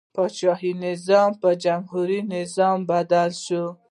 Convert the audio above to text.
پاچاهي نظام په جمهوري نظام بدل شو.